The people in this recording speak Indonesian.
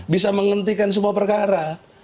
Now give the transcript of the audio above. bisa menghentikan semua perkara